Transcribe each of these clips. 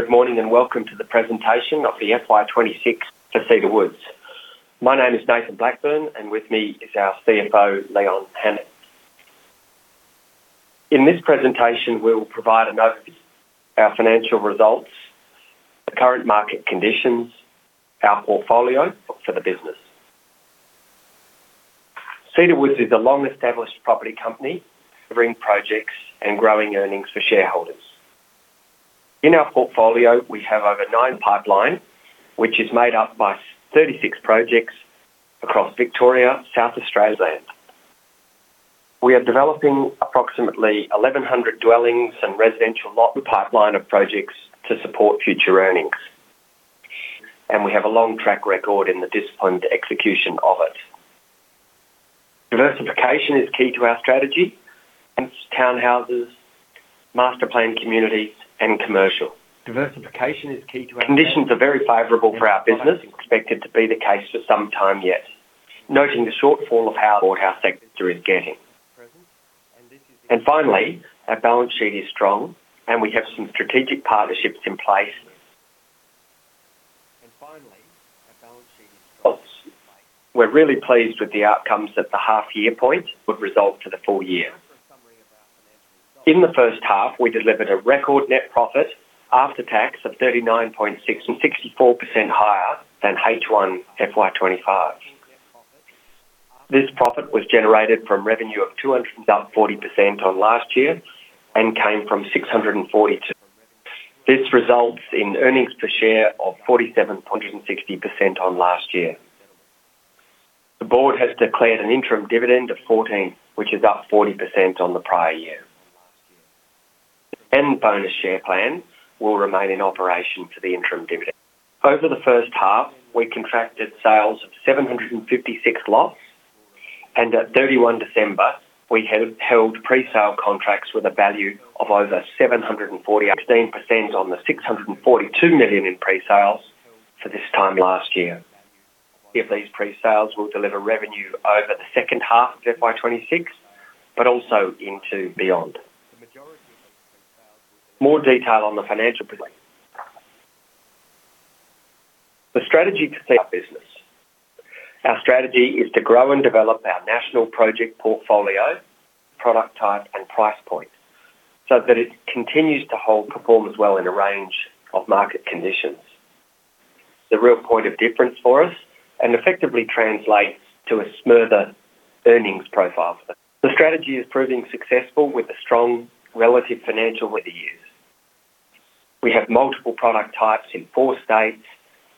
Good morning, welcome to the presentation of the FY 2026 for Cedar Woods. My name is Nathan Blackburne, with me is our CFO, Leon Hanrahan. In this presentation, we'll provide an overview of our financial results, the current market conditions, our portfolio for the business. Cedar Woods is a long-established property company, delivering projects and growing earnings for shareholders. In our portfolio, we have over 9 pipeline, which is made up by 36 projects across Victoria, South Australia. We are developing approximately 1,100 dwellings and residential lot, the pipeline of projects to support future earnings, we have a long track record in the disciplined execution of it. Diversification is key to our strategy, townhouses, master plan, communities, commercial. Diversification is key. Conditions are very favorable for our business, expected to be the case for some time yet, noting the shortfall of how our sector is getting. Finally, our balance sheet is strong, and we have some strategic partnerships in place. We're really pleased with the outcomes that the half-year point would result to the full year. In the first half, we delivered a record net profit after tax of 39.6, and 64% higher than H1 FY 2025. This profit was generated from revenue of 240% on last year and came from 642. This results in earnings per share of 47., and 60% on last year. The board has declared an interim dividend of 14, which is up 40% on the prior year. Bonus Share Plan will remain in operation for the interim dividend. Over the first half, we contracted sales of 756 lots, and at 31 December, we have held presale contracts with a value of over 748, 16% on the 642 million in presales for this time last year. These presales will deliver revenue over the second half of FY 2026, but also into beyond. More detail on the financial point. The strategy to our business. Our strategy is to grow and develop our national project portfolio, product type, and price point, so that it continues to hold perform as well in a range of market conditions. The real point of difference for us effectively translates to a smoother earnings profile. The strategy is proving successful with a strong relative financial with the years. We have multiple product types in four states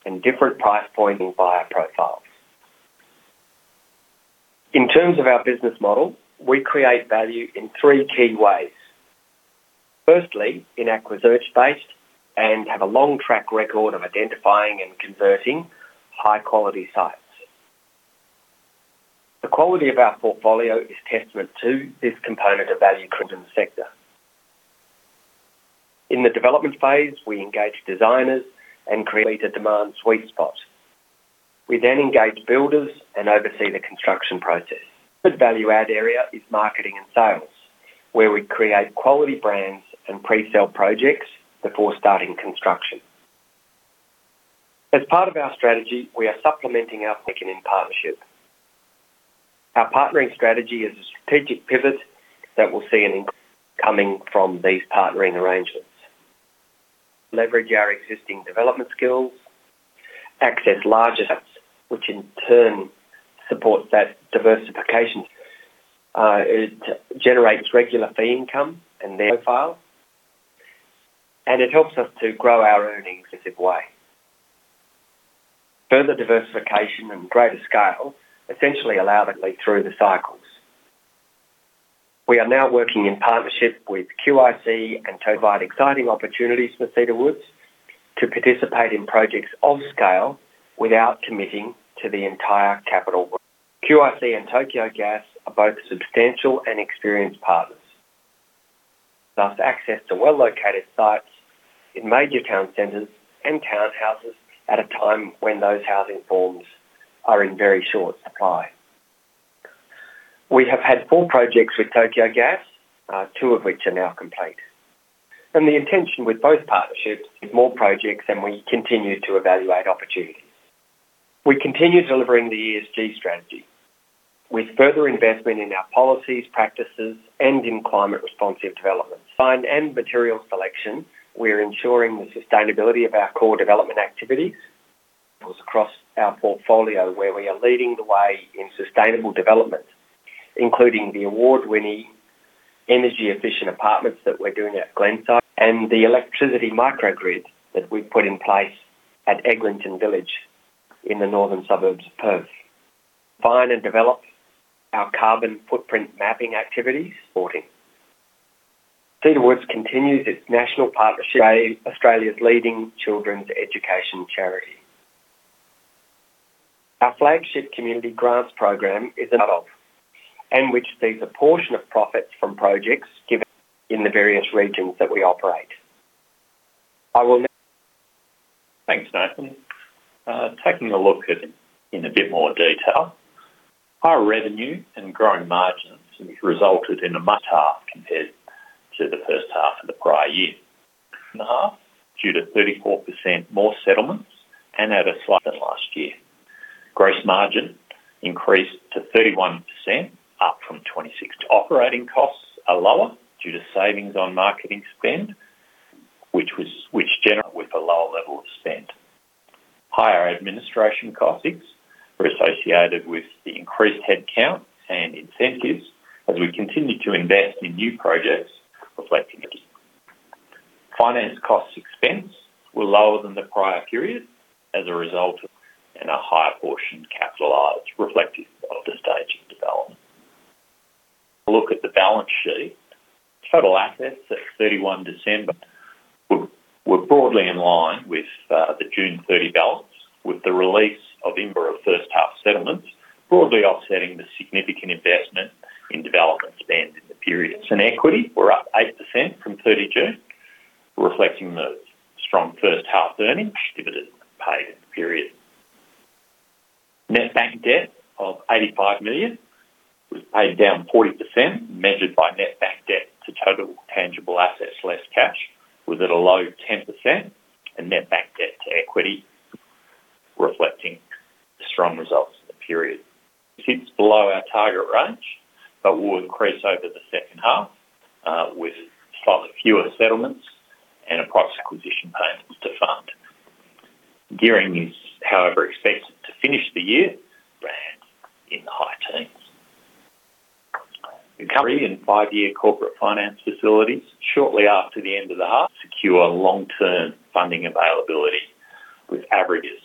and different price points and buyer profiles. In terms of our business model, we create value in three key ways. Firstly, in acquisition-based and have a long track record of identifying and converting high-quality sites. The quality of our portfolio is testament to this component of value in the sector. In the development phase, we engage designers and create a demand sweet spot. We engage builders and oversee the construction process. The value-add area is marketing and sales, where we create quality brands and presale projects before starting construction. As part of our strategy, we are supplementing our thinking in partnership. Our partnering strategy is a strategic pivot that will see an in- coming from these partnering arrangements, leverage our existing development skills, access larger, which in turn supports that diversification. It generates regular fee income and their profile. It helps us to grow our earnings in a way. Further diversification and greater scale essentially allowably through the cycles. We are now working in partnership with QIC and to provide exciting opportunities for Cedar Woods to participate in projects of scale without committing to the entire capital. QIC and Tokyo Gas are both substantial and experienced partners, thus access to well-located sites in major town centers and townhouses at a time when those housing forms are in very short supply. We have had four projects with Tokyo Gas, two of which are now complete. The intention with both partnerships is more projects, and we continue to evaluate opportunities. We continue delivering the ESG strategy with further investment in our policies, practices, and in climate-responsive development. Material selection, we're ensuring the sustainability of our core development activities across our portfolio, where we are leading the way in sustainable development, including the award-winning energy-efficient apartments that we're doing at Glenside, and the electricity microgrid that we've put in place at Eglinton Village in the northern suburbs of Perth. Find and develop our carbon footprint mapping activities, supporting. Cedar Woods continues its national partnership, Australia's leading children's education charity. Our flagship Community Grants Program is an adult, and which sees a portion of profits from projects given in the various regions that we operate. I will now. Thanks, Nathan. Taking a look at in a bit more detail, our revenue and growing margins resulted in a much half compared to the first half of the prior year. In the half, due to 34% more settlements and had a slight than last year. Gross margin increased to 31%, up from 26%. Operating costs are lower due to savings on marketing spend, which general, with a lower level of spend. Higher administration costs were associated with the increased headcount and incentives as we continue to invest in new projects, reflecting it. Finance costs expense were lower than the prior period as a result of, and a higher portion capitalized, reflective of the stage of development. Look at the balance sheet. Total assets at 31 December were broadly in line with the June 30 balance, with the release of Imbara first half settlements, broadly offsetting the significant investment in development spend in the period. Equity were up 8% from June 30, reflecting the strong first half earnings divided paid period. Net bank debt of 85 million was paid down 40%, measured by net bank debt to total tangible assets less cash, was at a low 10% and net bank debt to equity, reflecting the strong results of the period. Sits below our target range, but will increase over the second half with slightly fewer settlements and across acquisition payments to fund. Gearing is, however, expected to finish the year rather in the high teens. Recovery in 5-year corporate finance facilities shortly after the end of the half, secure long-term funding availability with averages.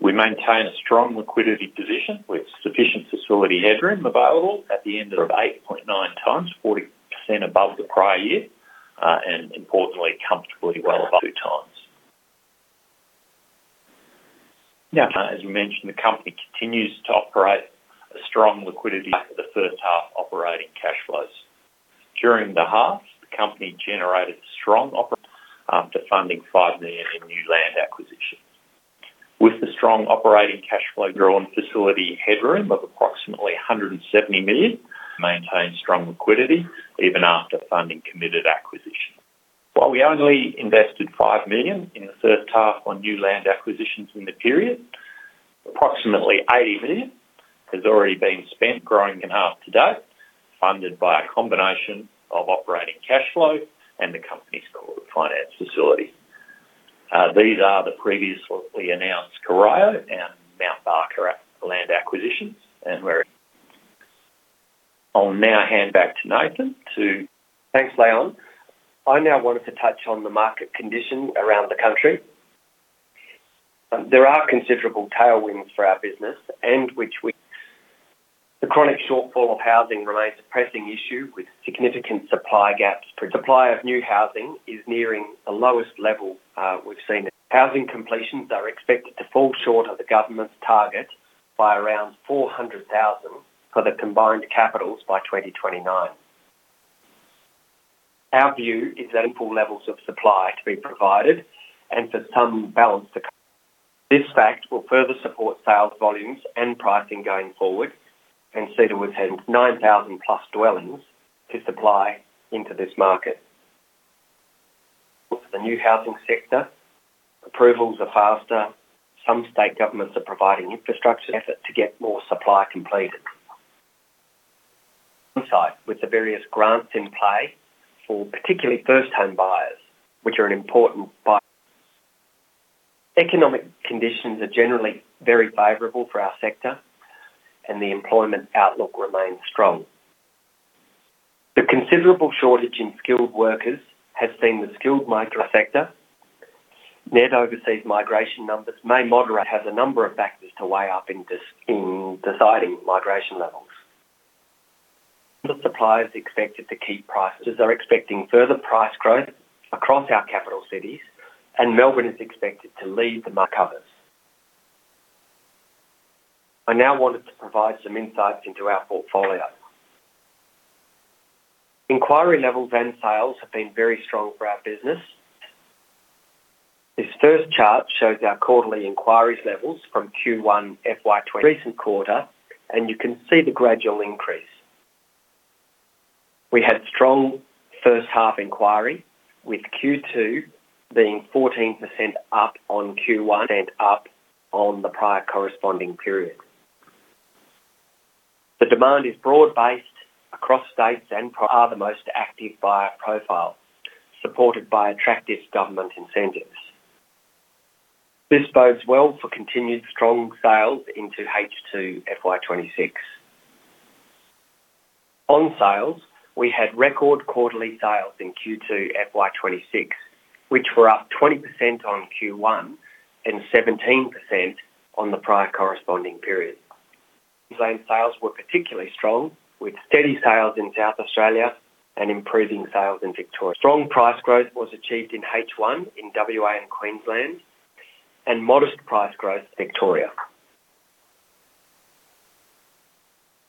We maintain a strong liquidity position, with sufficient facility headroom available at the end of 8.9x, 40% above the prior year, and importantly, comfortably well above 2x. As we mentioned, the company continues to operate a strong liquidity for the first half operating cash flows. During the half, the company generated strong opera, after funding 5 million in new land acquisitions. With the strong operating cash flow, drawn facility headroom of approximately 170 million, maintain strong liquidity even after funding committed acquisition. While we only invested 5 million in the third half on new land acquisitions in the period, approximately 80 million has already been spent growing in half to date, funded by a combination of operating cash flow and the company's corporate finance facility. These are the previously announced Corio and Mount Barker land acquisitions, and we're... I'll now hand back to Nathan. Thanks, Leon. I now wanted to touch on the market conditions around the country. There are considerable tailwinds for our business. The chronic shortfall of housing remains a pressing issue, with significant supply gaps. For supply of new housing is nearing the lowest level, we've seen. Housing completions are expected to fall short of the government's target by around 400,000 for the combined capitals by 2029. Our view is ample levels of supply to be provided and for some balance this fact will further support sales, volumes, and pricing going forward. Cedar has had 9,000+ dwellings to supply into this market. The new housing sector, approvals are faster. Some state governments are providing infrastructure effort to get more supply completed. Inside, with the various grants in play for particularly first-home buyers, which are an important buy. Economic conditions are generally very favorable for our sector, the employment outlook remains strong. The considerable shortage in skilled workers has seen the skilled migrant sector. Net overseas migration numbers may moderate, has a number of factors to weigh up in this, in deciding migration levels. The supply is expected to keep prices, as are expecting further price growth across our capital cities, Melbourne is expected to lead the market covers. I now wanted to provide some insights into our portfolio. Inquiry levels and sales have been very strong for our business. This first chart shows our quarterly inquiries levels from Q1 FY 2020 recent quarter, you can see the gradual increase. We had strong first-half inquiry, with Q2 being 14% up on Q1 and up on the prior corresponding period. The demand is broad-based across states, and are the most active buyer profile, supported by attractive government incentives. This bodes well for continued strong sales into H2 FY 2026. On sales, we had record quarterly sales in Q2 FY 2026, which were up 20% on Q1 and 17% on the prior corresponding period. Land sales were particularly strong, with steady sales in South Australia and improving sales in Victoria. Strong price growth was achieved in H1, in WA and Queensland, and modest price growth in Victoria.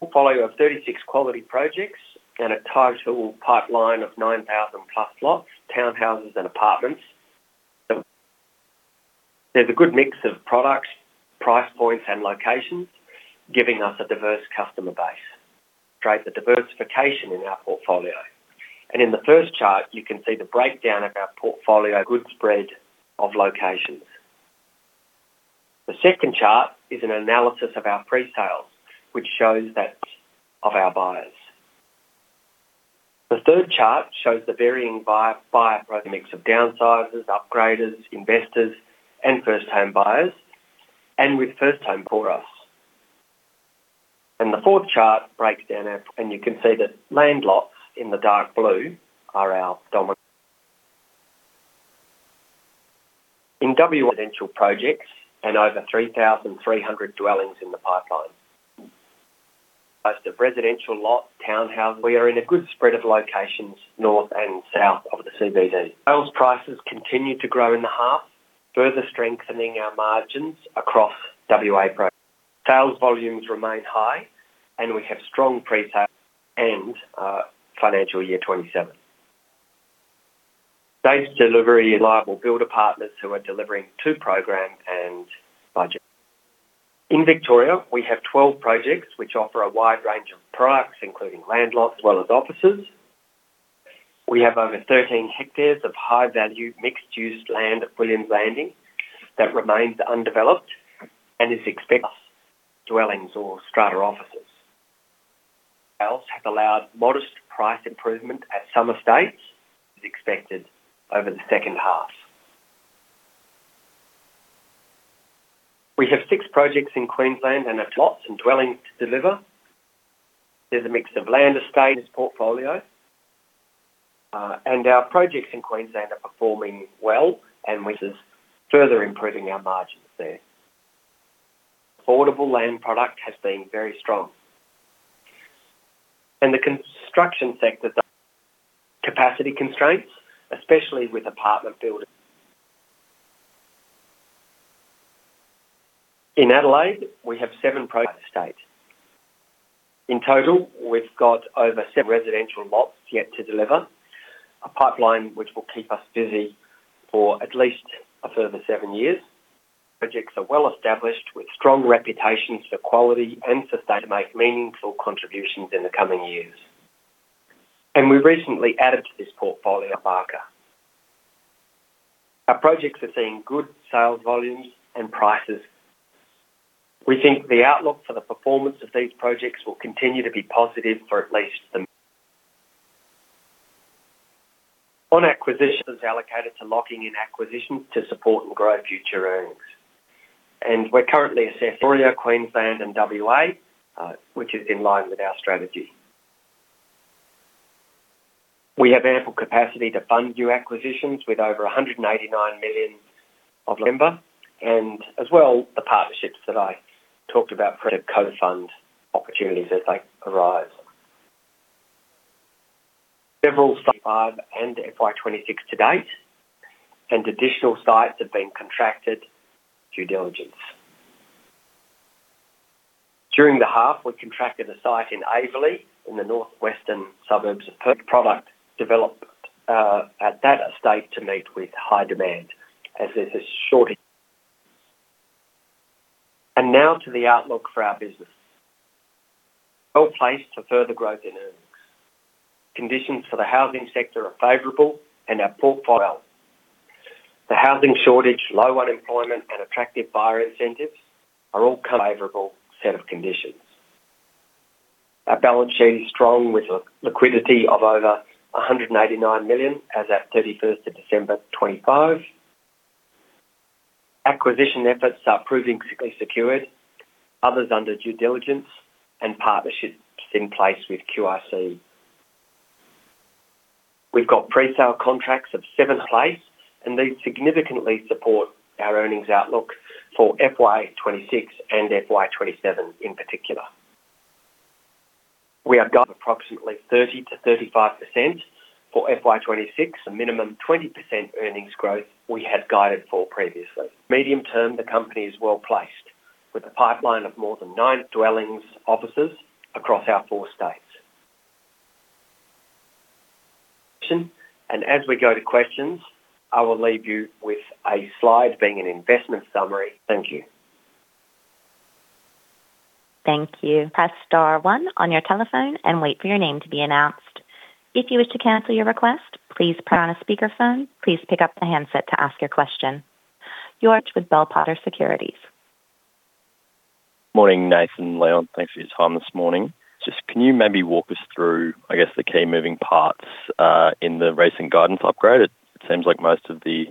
A portfolio of 36 quality projects and a total pipeline of 9,000 plus lots, townhouses, and apartments. There's a good mix of products, price points, and locations, giving us a diverse customer base, create the diversification in our portfolio. In the first chart, you can see the breakdown of our portfolio, good spread of locations. The second chart is an analysis of our presales, which shows that of our buyers. The third chart shows the varying buyer mix of downsizers, upgraders, investors, and first-home buyers, and with first-home buyers. The fourth chart breaks down, and you can see that landlots in the dark blue are our dominant. In residential projects and over 3,300 dwellings in the pipeline. Most of residential lot, townhouses... We are in a good spread of locations north and south of the CBD. Sales prices continue to grow in the half, further strengthening our margins across WA pro. Sales volumes remain high, and we have strong presales and financial year 2027. Safe delivery, reliable builder partners who are delivering to program and budget. In Victoria, we have 12 projects which offer a wide range of products, including landlots as well as offices. We have over 13 hectares of high-value mixed-use land at Williams Landing that remains undeveloped and is expected dwellings or strata offices. Sales have allowed modest price improvement at some estates, as expected over the second half. We have six projects in Queensland and have lots and dwellings to deliver. There's a mix of land estates, portfolio, our projects in Queensland are performing well and which is further improving our margins there. Affordable land product has been very strong. The construction sector, the capacity constraints, especially with apartment building. In Adelaide, we have seven project estate. In total, we've got over seven residential lots yet to deliver, a pipeline which will keep us busy for at least a further seven years. Projects are well-established, with strong reputations for quality and for state to make meaningful contributions in the coming years. We recently added to this portfolio, Barker. Our projects are seeing good sales, volumes, and prices. We think the outlook for the performance of these projects will continue to be positive for at least the. On acquisitions, allocated to locking in acquisitions to support and grow future earnings. We're currently assessing Victoria, Queensland, and WA, which is in line with our strategy. We have ample capacity to fund new acquisitions, with over 189 million of November, and as well, the partnerships that I talked about for the co-fund opportunities as they arise. Several and FY 2026 to date, and additional sites have been contracted, due diligence. During the half, we contracted a site in Aveley, in the northwestern suburbs of Perth. Product development at that estate to meet with high demand, as there's a shortage. Now to the outlook for our business. Well-placed for further growth in earnings. Conditions for the housing sector are favorable. Our portfolio, the housing shortage, low unemployment, and attractive buyer incentives are all favorable set of conditions. Our balance sheet is strong, with li-liquidity of over 189 million as at 31st of December 2025. Acquisition efforts are proving securely secured, others under due diligence and partnerships in place with QIC. We've got presale contracts of 7 place. These significantly support our earnings outlook for FY 2026 and FY 2027 in particular. We have got approximately 30%-35% for FY 2026, a minimum 20% earnings growth we had guided for previously. Medium term, the company is well-placed, with a pipeline of more than 9 dwellings, offices across our four states. As we go to questions, I will leave you with a slide being an investment summary. Thank you. Thank you. Press star one on your telephone and wait for your name to be announced. If you wish to cancel your request, please press on a speakerphone. Please pick up the handset to ask your question. George with Bell Potter Securities. Morning, Nathan, Leon. Thanks for your time this morning. Just can you maybe walk us through, I guess, the key moving parts in the recent guidance upgrade? It seems like most of the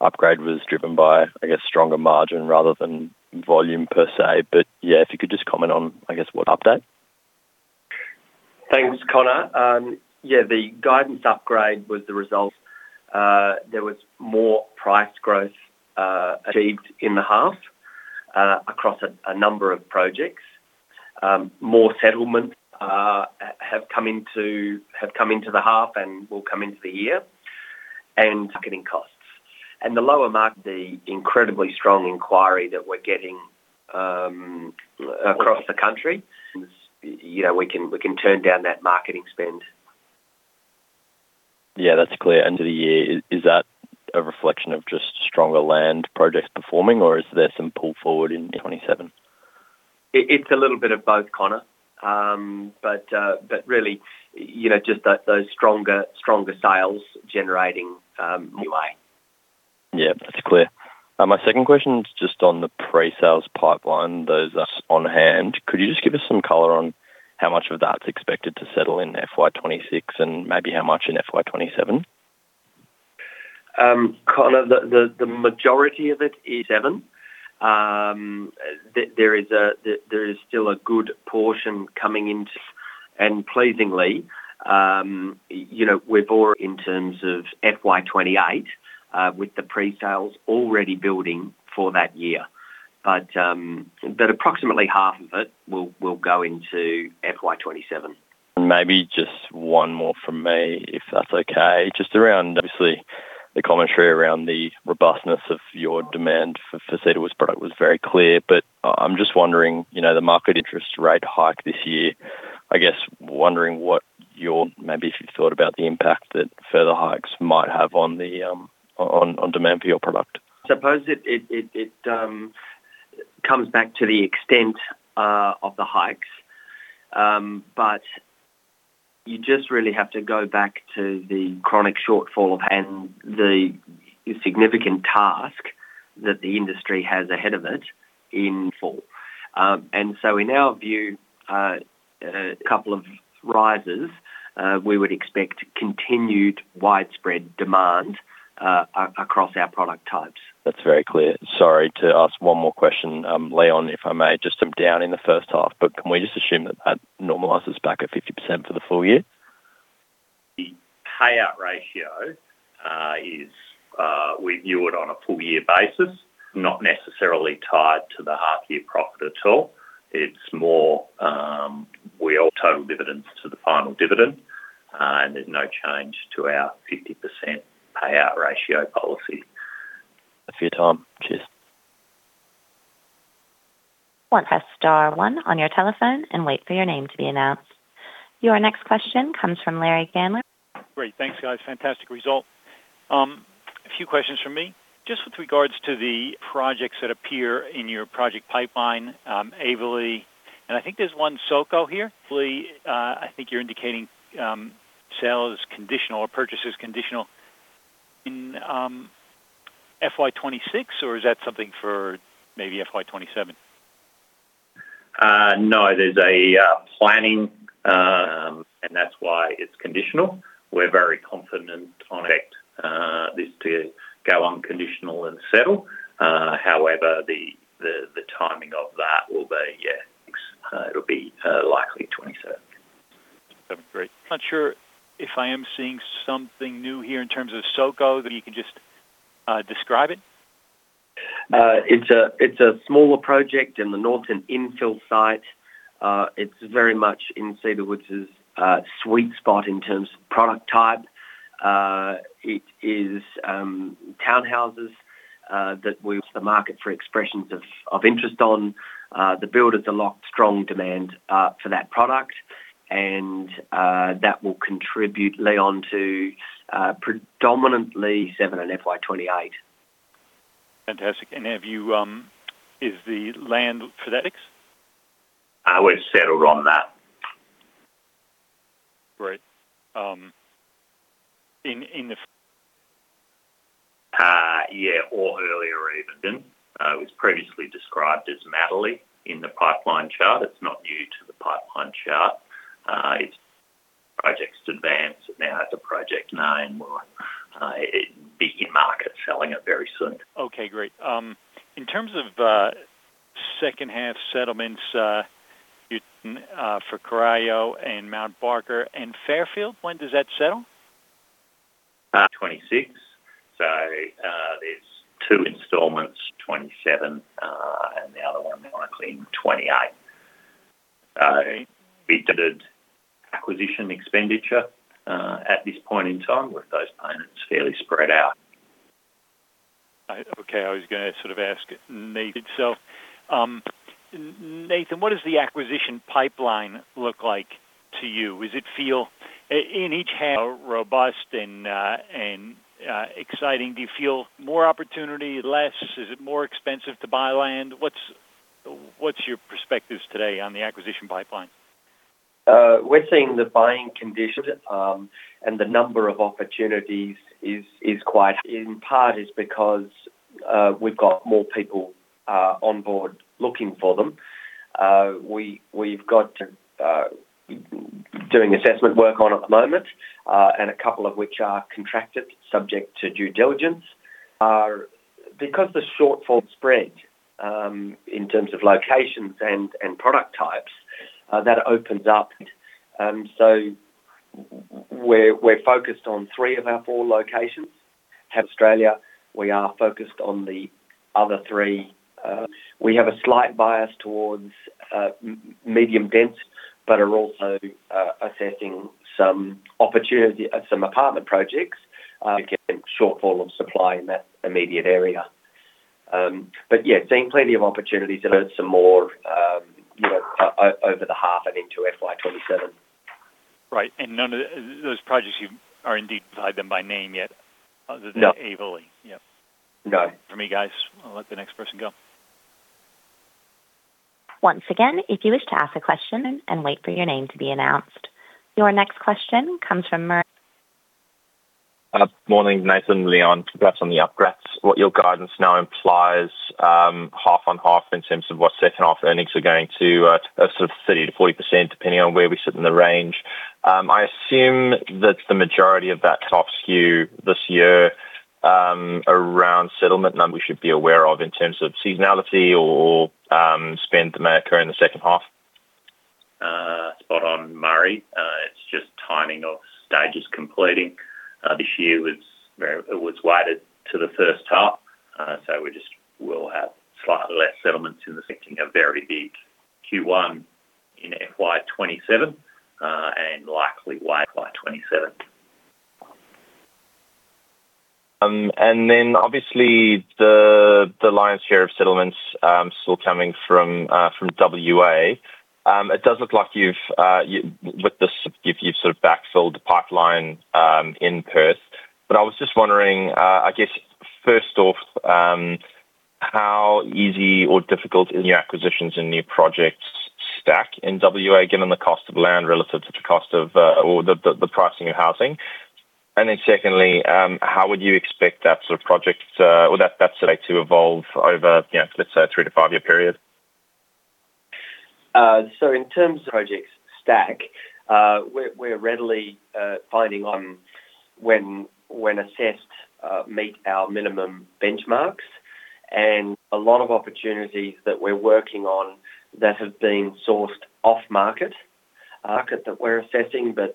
upgrade was driven by, I guess, stronger margin rather than volume per se. Yeah, if you could just comment on, I guess, what update? Thanks, George. Yeah, the guidance upgrade was the result. There was more price growth achieved in the half across a number of projects, more settlements come into, have come into the half and will come into the year, and marketing costs. The incredibly strong inquiry that we're getting across the country, you know, we can, we can turn down that marketing spend. Yeah, that's clear. End of the year, is, is that a reflection of just stronger land projects performing, or is there some pull forward in 2027? It, it's a little bit of both, George, but, but really, you know, just that, those stronger, stronger sales generating, anyway. Yeah, that's clear. My second question is just on the pre-sales pipeline, those on hand. Could you just give us some color on how much of that's expected to settle in FY 2026 and maybe how much in FY 2027? George, the, the, the majority of it is 7. there, there is a, there, there is still a good portion coming in, and pleasingly, you know, we're more in terms of FY 2028 with the pre-sales already building for that year. approximately half of it will, will go into FY 2027. Maybe just one more from me, if that's okay. Just around, obviously, the commentary around the robustness of your demand for, for Cedar Woods' product was very clear. I, I'm just wondering, you know, the market interest rate hike this year, I guess, wondering maybe if you've thought about the impact that further hikes might have on the on, on demand for your product. Suppose it, it, it, it comes back to the extent of the hikes. You just really have to go back to the chronic shortfall of and the significant task that the industry has ahead of it in full. In our view, a couple of rises, we would expect continued widespread demand across our product types. That's very clear. Sorry to ask one more question, Leon, if I may, just, down in the first half, but can we just assume that that normalizes back at 50% for the full year? The payout ratio is we view it on a full year basis, not necessarily tied to the half year profit at all. It's more, we owe total dividends to the final dividend, and there's no change to our 50% payout ratio policy. Thanks for your time. Cheers. Press star one on your telephone and wait for your name to be announced. Your next question comes from Larry Gandler. Great, thanks, guys. Fantastic result. A few questions from me. Just with regards to the projects that appear in your project pipeline, Aveley, and I think there's one Soco here. Aveley, I think you're indicating, sales conditional or purchases conditional in FY 2026, or is that something for maybe FY 2027? No, there's a planning, and that's why it's conditional. We're very confident on expect this to go unconditional and settle. The, the, the timing of that will be, yeah, it'll be likely 27. Great. Not sure if I am seeing something new here in terms of Soko, that you can just, describe it? It's a smaller project in the northern infill site. It's very much in Cedar Woods's sweet spot in terms of product type. It is townhouses the market for expressions of interest on. The builders unlocked strong demand for that product, and that will contribute, Leon, to predominantly FY 2027 and FY 2028. Fantastic. Have you, is the land for that ex? We're settled on that. Great. Yeah, or earlier even than, it was previously described as Madeley in the pipeline chart. It's not new to the pipeline chart. It's project's advanced. Now, as a project name, we'll, it be in market, selling it very soon. Okay, great. In terms of second-half settlements, for Corio and Mount Barker and Fairfield, when does that settle? 2026. There's two installments, 2027, and the other one likely in 2028. We did acquisition expenditure at this point in time, with those payments fairly spread out. Okay, I was gonna sort of ask Nathan itself. Nathan, what does the acquisition pipeline look like to you? Is it feel, in each half, robust and, and, exciting? Do you feel more opportunity, less? Is it more expensive to buy land? What's, what's your perspectives today on the acquisition pipeline? We're seeing the buying conditions, the number of opportunities is, is quite. In part, is because we've got more people on board looking for them. We, we've got to doing assessment work on at the moment, and a couple of which are contracted, subject to due diligence. Because the shortfall spread in terms of locations and, and product types, that opens up. We're, we're focused on three of our four locations. Australia, we are focused on the other three. We have a slight bias towards medium dense, are also assessing some opportunity at some apartment projects, again, shortfall of supply in that immediate area. Yeah, seeing plenty of opportunities to learn some more, you know, over the half and into FY 2027. Right, none of those projects you are indeed identified them by name yet... No. Other than Aveley? Yeah. No. For me, guys, I'll let the next person go. Once again, if you wish to ask a question and wait for your name to be announced. Your next question comes from Murray. Morning, Nathan and Leon. Perhaps on the upgrades, what your guidance now implies, half on half in terms of what second-half earnings are going to, sort of 30%-40%, depending on where we sit in the range. I assume that the majority of that top skew this year, around settlement, and we should be aware of in terms of seasonality or, or, spend that may occur in the second half. Spot on, Murray. It's just timing of stages completing. This year was very, it was weighted to the first half, so we just will have slightly less settlements in the second, a very big Q1 in FY 2027, and likely wide by 2027. Then obviously, the, the lion's share of settlements, still coming from, from WA. It does look like you've with this, you, you've sort of backfilled the pipeline, in Perth. I was just wondering, I guess first off, how easy or difficult in your acquisitions and new projects stack in WA, given the cost of land relative to the cost of, or the, the, the pricing of housing? Secondly, how would you expect that sort of project, or that, that to evolve over, you know, let's say, a three to five-year period? In terms of projects stack, we're, we're readily finding on when, when assessed, meet our minimum benchmarks and a lot of opportunities that we're working on that have been sourced off-market, that we're assessing, but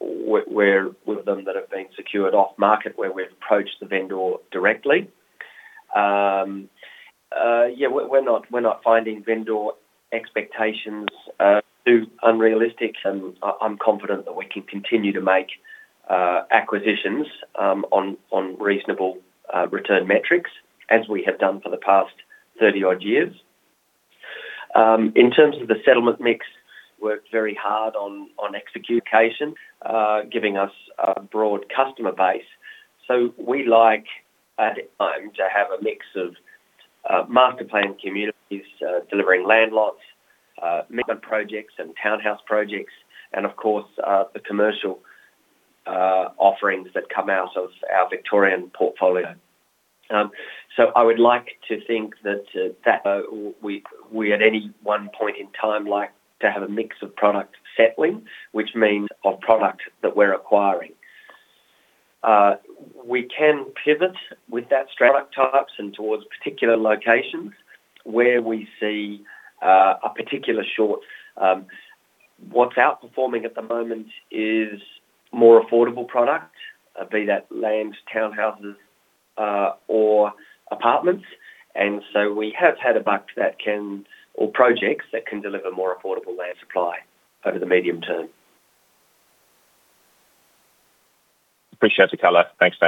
we're with them that have been secured off-market, where we've approached the vendor directly. Yeah, we're, we're not, we're not finding vendor expectations too unrealistic, and I, I'm confident that we can continue to make acquisitions on, on reasonable return metrics, as we have done for the past 30-odd years. In terms of the settlement mix, worked very hard on, on execution, giving us a broad customer base. We like, at time, to have a mix of master-planned communities, delivering land lots, development projects and townhouse projects, and of course, the commercial offerings that come out of our Victorian portfolio. I would like to think that, we, we at any one point in time, like to have a mix of product settling, which means of product that we're acquiring. We can pivot with that product types and towards particular locations where we see a particular short. What's outperforming at the moment is more affordable product, be that land, townhouses, or apartments. We have had a buck that can, or projects that can deliver more affordable land supply over the medium term. Appreciate the color. Thanks, Nathan.